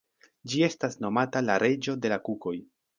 Ĝi estas nomata la „reĝo de la kukoj“.